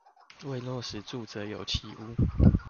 為落實住者有其屋